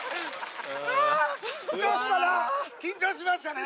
緊張しましたね？